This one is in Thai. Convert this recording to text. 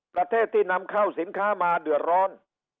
ประเทศที่นำเข้าสินค้ามาเดือดร้อน